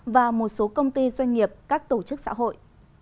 và một số công ty doanh nghiệp các tổ chức xã hội